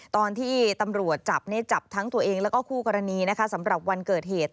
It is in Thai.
ตอนที่ตำรวจจับจับทั้งตัวเองแล้วก็คู่กรณีนะคะสำหรับวันเกิดเหตุ